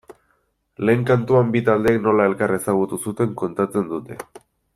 Lehen kantuan bi taldeek nola elkar ezagutu zuten kontatzen dute.